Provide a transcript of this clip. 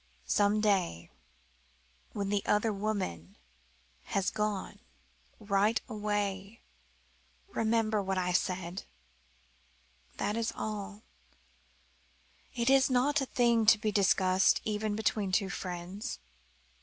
"Some day when the other woman has gone right away remember what I said. That is all. It is not a thing to be discussed, even between two friends.